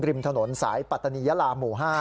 ริมถนนสายปัตตานียาลาหมู่๕